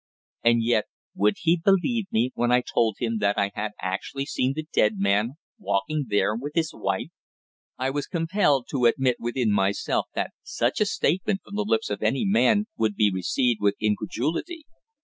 And yet would he believe me when I told him that I had actually seen the dead man walking there with his wife? I was compelled to admit within myself that such a statement from the lips of any man would be received with incredulity.